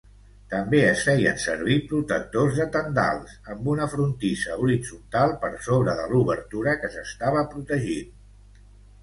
També es feien servir protectors de tendals amb una frontissa horitzontal per sobre de l'obertura que s'estava protegint.